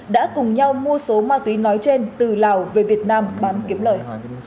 đã cùng nhau mua số ma túy nói trên từ lào về việt nam bán kiếm lời